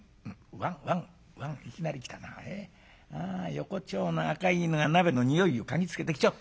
横町の赤い犬が鍋の匂いを嗅ぎつけて来ちゃった。